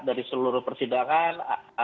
dari seluruh persidangan